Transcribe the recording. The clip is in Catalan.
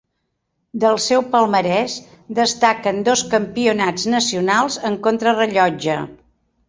Del seu palmarès destaquen dos Campionats nacionals en contrarellotge.